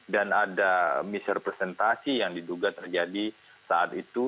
dan ada misrepresentasi yang diduga terjadi saat itu